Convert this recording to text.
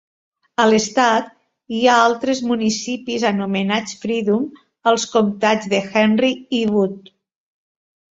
A l'estat, hi ha altres municipis anomenats Freedom als comtats de Henry i Wood.